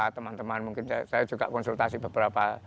teman teman mungkin saya juga konsultasi beberapa